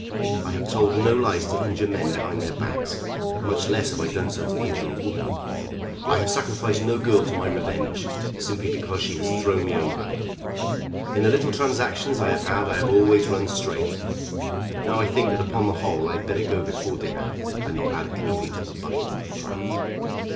I have told no lies to injure men behind their backs; much less have I done so to injure a woman. I have sacrificed no girl to my revenge, simply because she has thrown me over. In the little transactions I have had I have always run straight. Now I think that upon the whole I had better go before dinner, and not add anything to the bucket of claret."